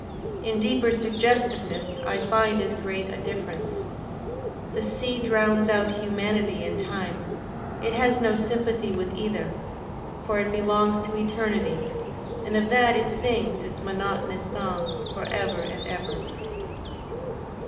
In deeper suggestiveness I find as "great a difference. The sea drowns out humanity and time; it has no sympathy with either; for it belongs to eternity, and of that it sings its monotonous song for ever and ever.